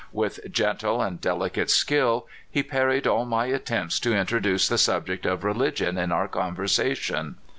With gentle and delicate skill he parried all my attempts to introduce the subject of religion in our conversation.